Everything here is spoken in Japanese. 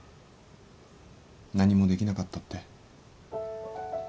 何もできなかったって。